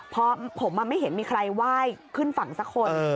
เพราะผมไม่เห็นมีใครไหว้ขึ้นฝั่งสักคน